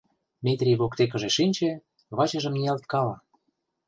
— Метрий воктекыже шинче, вачыжым ниялткала.